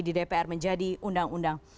di dpr menjadi undang undang